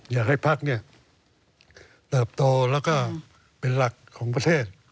อยากให้ภักดิ์เติบโตแล้วก็เป็นหลักของประเทศ